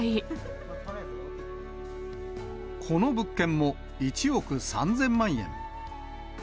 この物件も１億３０００万円。